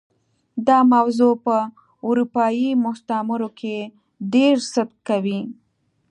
دا موضوع په اروپايي مستعمرو کې ډېر صدق کوي.